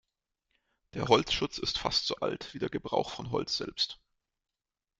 Der Holzschutz ist fast so alt wie der Gebrauch von Holz selbst.